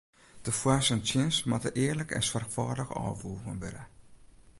De foars en tsjins moatte earlik en soarchfâldich ôfwoegen wurde.